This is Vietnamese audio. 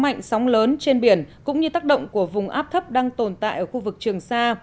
có hạnh sóng lớn trên biển cũng như tác động của vùng áp thấp đang tồn tại ở khu vực trường xa